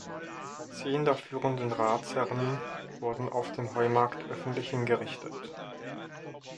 Zehn der führenden Ratsherren wurden auf dem Heumarkt öffentlich hingerichtet.